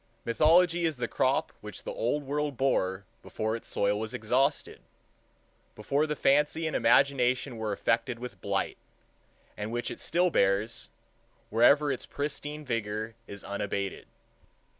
Mythology is the crop which the Old World bore before its soil was exhausted, before the fancy and imagination were affected with blight; and which it still bears, wherever its pristine vigor is unabated.